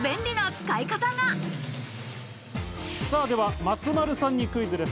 では、松丸さんにクイズです。